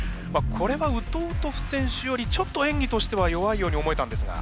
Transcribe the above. これはウトウトフ選手よりちょっとえんぎとしては弱いように思えたんですが。